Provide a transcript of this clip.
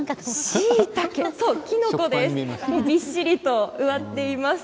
しいたけびっしりと植わっています。